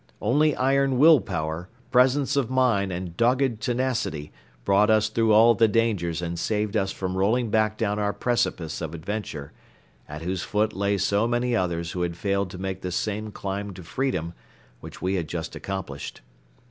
Only iron will power, presence of mind and dogged tenacity brought us through all the dangers and saved us from rolling back down our precipice of adventure, at whose foot lay so many others who had failed to make this same climb to freedom which we had just accomplished.